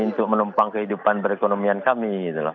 untuk menumpang kehidupan perekonomian kami